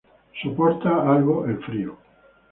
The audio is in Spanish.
Soporta algo el frío.